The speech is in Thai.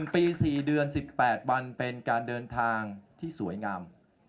๑ปี๔เดือน๑๘วันเป็นการเดินทางที่สวยงาม